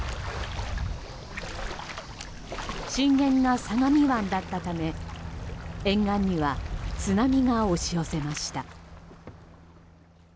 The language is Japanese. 震源が相模湾だったため沿岸には津波が押し寄せました。